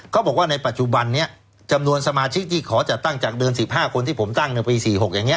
เขาบอกว่าในปัจจุบันนี้จำนวนสมาชิกที่ขอจัดตั้งจากเดิม๑๕คนที่ผมตั้งในปี๔๖อย่างนี้